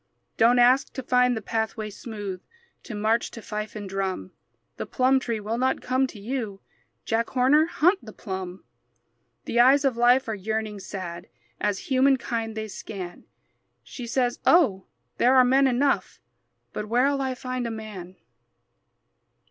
Don't ask to find the pathway smooth, To march to fife and drum; The plum tree will not come to you; Jack Horner, hunt the plum. The eyes of life are yearning, sad, As humankind they scan. She says, "Oh, there are men enough, But where'll I find a man?"